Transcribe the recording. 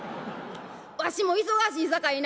わしも忙しいさかいな」。